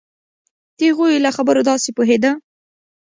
د هغوی له خبرو داسې پوهېده.